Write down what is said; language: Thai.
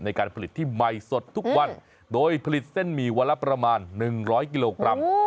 ในการผลิตที่ใหม่สดทุกวันโดยผลิตเส้นหมี่วันละประมาณ๑๐๐กิโลกรัม